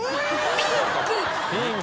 ピンク！